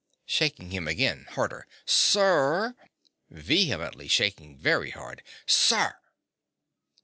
(Shaking him again, harder.) Sir!! (Vehemently shaking very bard.) Sir!!!